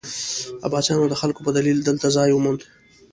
عباسیانو د خلکو په دلیل دلته ځای وموند.